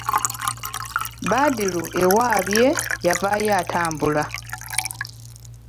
Badru ewaabye yavaayo atambula.